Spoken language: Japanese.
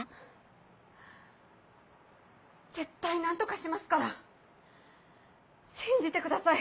絶対何とかしますから信じてください。